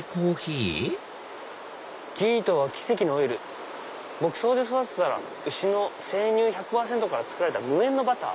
「ギーとは奇跡のオイル牧草で育てた牛の生乳１００％から作られた無塩バター」。